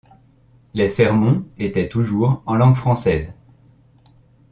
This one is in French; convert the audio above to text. Les sermons étaient toujours en langue française.